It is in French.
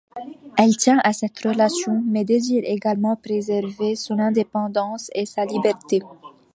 Elle tient à cette relation, mais désire également préserver son indépendance et sa liberté.